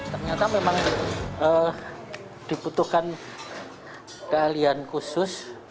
ternyata memang dibutuhkan keahlian khusus